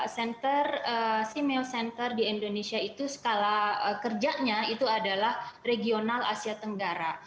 center simeo center di indonesia itu skala kerjanya itu adalah regional asia tenggara